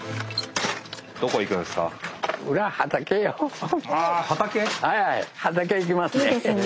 どこ行くんですか？